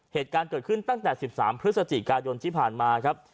เหตุการณ์เกิดขึ้นตั้งแต่๑๓พฤศจิกายนที่ผ่านมาครับ